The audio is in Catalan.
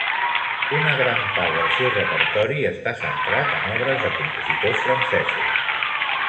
Una gran part del seu repertori està centrat en obres de compositors francesos.